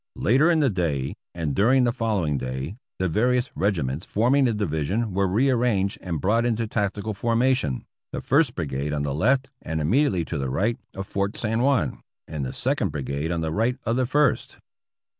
Later in the day, and during the following day, the various regiments forming the Division were rearranged and brought into tactical formation, the First Brigade on the left and immediately to the right of Fort San Juan, and the Second Brigade on the right of the First.